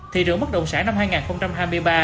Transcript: thị trường bất động sản năm hai nghìn hai mươi ba